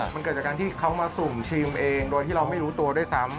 มันเกิดจากการที่เขามาสุ่มชิมเองโดยที่เราไม่รู้ตัวด้วยซ้ำ